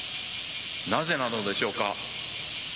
なぜなのでしょうか。